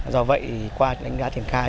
do vậy qua đánh giá thiền khai